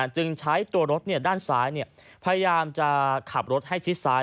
จึงใช้ตัวรถด้านซ้ายพยายามจะขับรถให้ชิดซ้าย